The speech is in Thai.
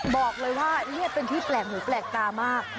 บอกเลยว่านี่เป็นที่แปลกหูแปลกตามาก